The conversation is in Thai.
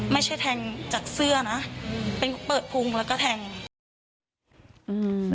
ไม่ใช่แทงจากเสื้อนะอืมเป็นเปิดพุงแล้วก็แทงอืม